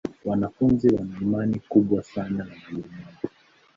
Wanafunzi wana imani kubwa sana na walimu wao.